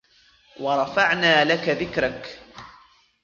وَرَفَعْنَا لَكَ ذِكْرَكَ